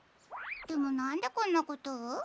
でもなんでこんなことを？